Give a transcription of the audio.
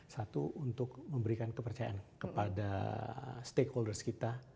satu untuk memberikan kepercayaan kepada stakeholders kita